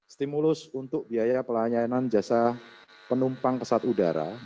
stimulus untuk biaya pelayanan jasa penumpang pesawat udara